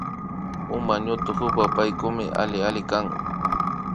Uma ñutukupa Paykukmi alli alli kan